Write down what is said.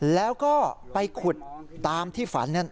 แล้วก็ไปขุดตามที่ฝันนั่น